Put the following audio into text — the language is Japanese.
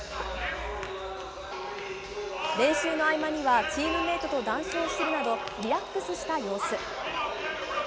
練習の合間にはチームメートと談笑するなどリラックスした様子。